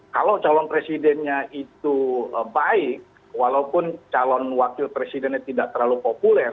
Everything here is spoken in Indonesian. kalau calon presidennya itu baik walaupun calon wakil presidennya tidak terlalu populer